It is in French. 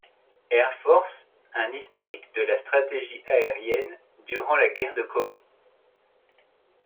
Air Force un historique de la stratégie aérienne durant la guerre de Corée.